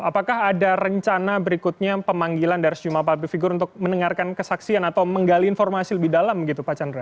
apakah ada rencana berikutnya pemanggilan dari sejumlah public figure untuk mendengarkan kesaksian atau menggali informasi lebih dalam gitu pak chandra